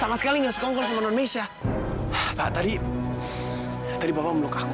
jangan sudah mikir lo yang tindakan aku itube jangan lebih memlungkunipu